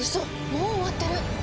もう終わってる！